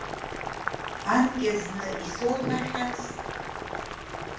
Анкьазны исоуҳәахьаз?